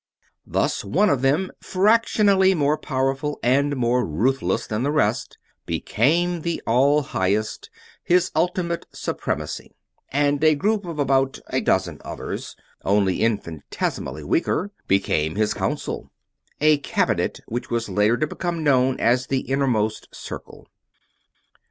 Thus one of them, fractionally more powerful and more ruthless than the rest, became the All Highest His Ultimate Supremacy and a group of about a dozen others, only infinitesimally weaker, became his Council; a cabinet which was later to become known as the Innermost Circle.